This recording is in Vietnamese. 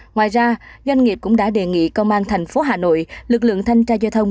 ngoài ra doanh nghiệp cũng đã đề nghị công an thành phố hà nội lực lượng thanh tra giao thông